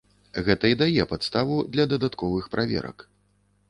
Гэта і дае падставу для дадатковых праверак.